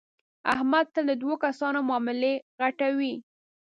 احمد تل د دو کسانو معاملې غټوي.